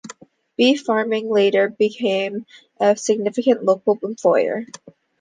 Beef farming later became a significant local employer.